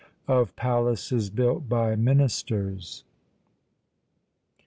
OF PALACES BUILT BY MINISTERS.